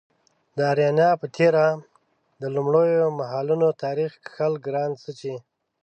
د اریانا په تیره د لومړیو مهالونو تاریخ کښل ګران څه چې